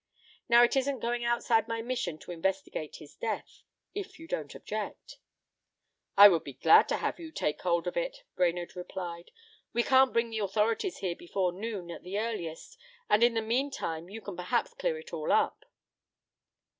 Now, it isn't going outside my mission to investigate his death if you don't object." "I would be glad to have you take hold of it," Brainerd replied. "We can't bring the authorities here before noon, at the earliest, and in the mean time you can perhaps clear it all up."